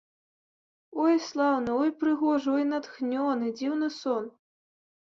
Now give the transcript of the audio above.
Ой, слаўны, ой, прыгожы, ой, натхнёны, дзіўны сон!